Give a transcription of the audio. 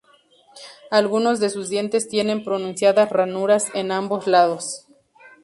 Algunos de sus dientes tienen pronunciadas ranuras en ambos lados.